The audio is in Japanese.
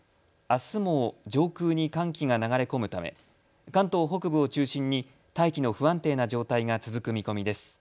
あすも上空に寒気が流れ込むため関東北部を中心に大気の不安定な状態が続く見込みです。